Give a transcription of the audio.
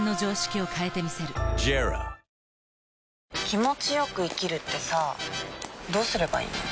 気持ちよく生きるってさどうすればいいの？